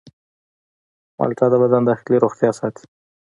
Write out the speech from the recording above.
مالټه د بدن داخلي روغتیا ساتي.